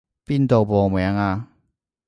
邊度報名啊？